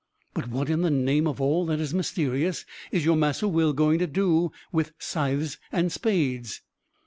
"But what, in the name of all that is mysterious, is your 'Massa Will' going to do with scythes and spades?"